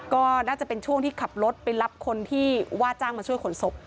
ก็น่าจะเป็นช่วงที่ขับรถไปรับคนที่ว่าจ้างมาช่วยขนศพ